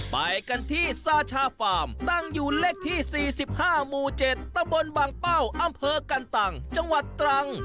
ไปกันที่ซาชาฟาร์มตั้งอยู่เลขที่๔๕หมู่๗ตะบนบางเป้าอำเภอกันตังจังหวัดตรัง